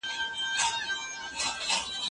ځینې وختونه ښځې په امریکا کې شکولات زیات خوښوي.